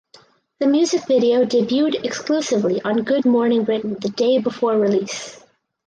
The music video debuted exclusively on Good Morning Britain the day before release.